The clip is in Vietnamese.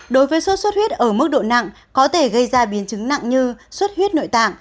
đối với suốt huyết ở mức độ nặng có thể gây ra biến chứng nặng như suốt huyết nội tạng